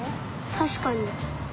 たしかに。